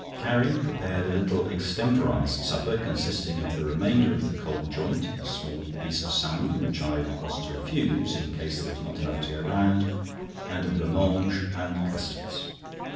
Carrie prepared a little extemporised supper, consisting of the remainder of the cold joint, a small piece of salmon (which I was to refuse, in case there was not enough to go round), and a blanc mange and custards.